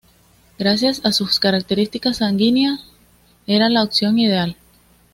Gracias a sus características sanguíneas, era la opción ideal.